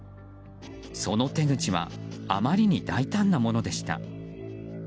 その手口はあまりに大胆なものでした。